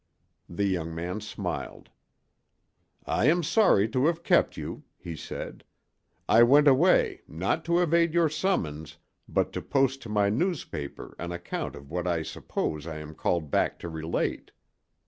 The young man smiled. "I am sorry to have kept you," he said. "I went away, not to evade your summons, but to post to my newspaper an account of what I suppose I am called back to relate."